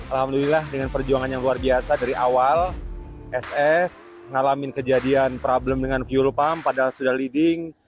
alhamdulillah dengan perjuangan yang luar biasa dari awal ss ngalamin kejadian problem dengan fuel pump padahal sudah leading